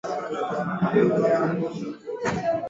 Utando machoni na rangi ya njano ni dalili ya homa ya bonde la ufa